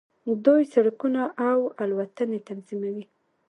دوی سړکونه او الوتنې تنظیموي.